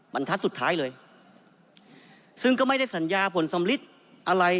บรรทัศน์สุดท้ายเลยซึ่งก็ไม่ได้สัญญาผลสำลิดอะไร